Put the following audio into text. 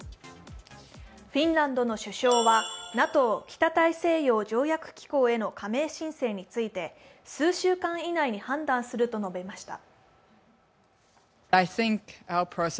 フィンランドの首相はＮＡＴＯ＝北大西洋条約機構への加盟申請について、数週間以内に判断すると述べました。